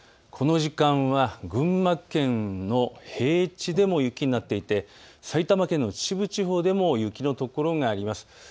この時間は群馬県の平地でも雪になっていて埼玉県の秩父地方でも雪の所があります。